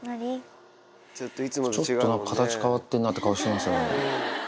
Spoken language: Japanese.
ちょっとなんか、形変わってんなって顔してますよね。